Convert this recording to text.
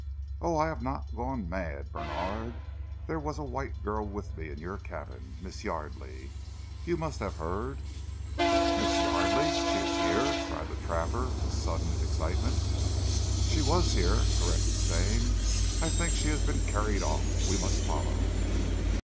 "Oh I have not gone mad, Bènard. There was a white girl with me in your cabin, Miss Yardely. You must have heard " "Mees Yardely! She ees here?" cried the trapper in sudden excitement. "She was here!" corrected Stane. "I think she has been carried off. We must follow!"